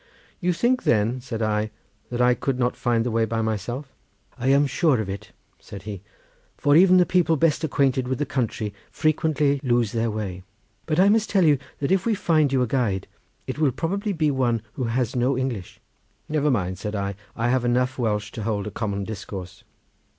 "You think, then," said I, "that I could not find the way by myself?" "I am sure of it," said he, "for even the people best acquainted with the country frequently lose their way. But I must tell you that if we do find you a guide it will probably be one who has no English." "Never mind," said I, "I have enough Welsh to hold a common discourse."